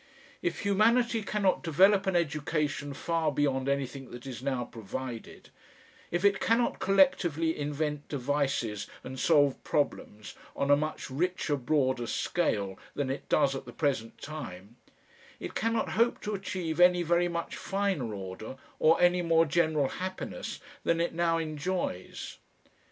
If humanity cannot develop an education far beyond anything that is now provided, if it cannot collectively invent devices and solve problems on a much richer, broader scale than it does at the present time, it cannot hope to achieve any very much finer order or any more general happiness than it now enjoys.